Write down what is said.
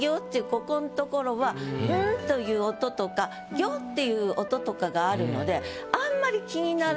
ここんところは「ん」という音とか「ぎょ」っていう音とかがあるのであんまり。